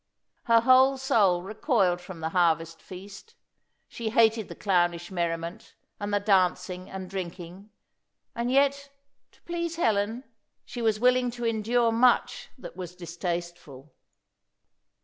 Her whole soul recoiled from the harvest feast. She hated the clownish merriment, and the dancing and drinking; and yet, to please Helen, she was willing to endure much that was distasteful.